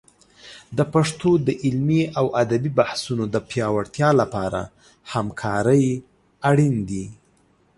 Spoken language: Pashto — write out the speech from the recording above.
د پښتو د علمي او ادبي بحثونو د پیاوړتیا لپاره همکارۍ اړین دي.